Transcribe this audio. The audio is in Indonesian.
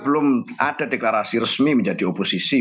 belum ada deklarasi resmi menjadi oposisi